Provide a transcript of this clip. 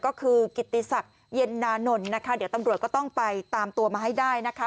ก็คือกิติศักดิ์เย็นนานนท์นะคะเดี๋ยวตำรวจก็ต้องไปตามตัวมาให้ได้นะคะ